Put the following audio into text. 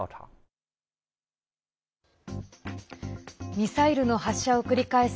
ミサイルの発射を繰り返す